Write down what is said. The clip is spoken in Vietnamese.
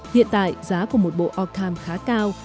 hiện tại giá của một bộ orcam khá cao